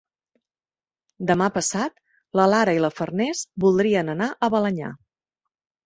Demà passat na Lara i na Farners voldrien anar a Balenyà.